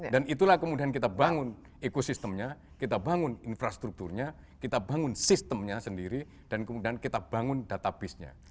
dan itulah kemudian kita bangun ekosistemnya kita bangun infrastrukturnya kita bangun sistemnya sendiri dan kemudian kita bangun database nya